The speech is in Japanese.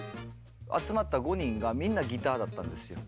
集まった５人がみんなギターだったんですよ。